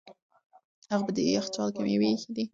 هغه په یخچال کې مېوې ایښې دي.